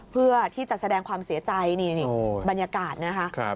เพื่อที่จะแสดงความเสียใจนี่บรรยากาศนะคะ